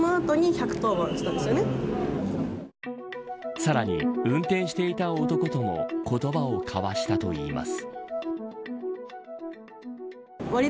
さらに運転していた男とも言葉を交わしたといいます。